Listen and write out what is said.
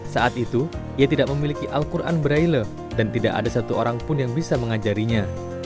saat itu ia tidak memiliki al quran braille dan tidak ada satu orang pun yang bisa mengajarinya